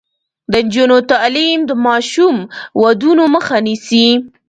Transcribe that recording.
د نجونو تعلیم د ماشوم ودونو مخه نیسي.